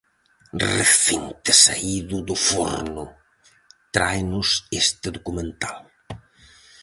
Recente saído do forno, traemos este documental.